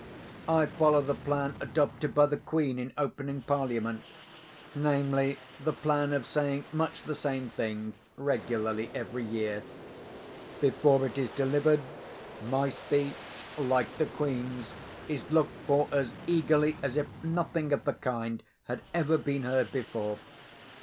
I follow the plan adopted by the Queen in opening Parliament—namely, the plan of saying much the same thing regularly every year. Before it is delivered, my speech (like the Queen's) is looked for as eagerly as if nothing of the kind had ever been heard before.